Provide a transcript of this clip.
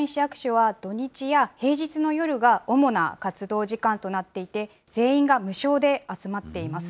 オンライン市役所は、土日や平日の夜が主な活動時間となっていて、全員が無償で集まっています。